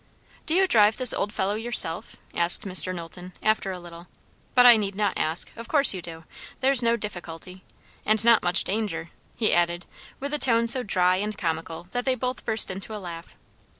"Do you drive this old fellow yourself?" asked Mr. Knowlton, after a little. "But I need not ask! Of course you do. There's no difficulty. And not much danger," he added, with a tone so dry and comical that they both burst into a laugh.